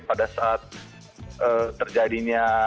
pada saat terjadinya